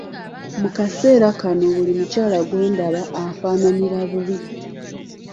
Mu kaseera kano buli mukyala gw’endaba anfaananira bubi.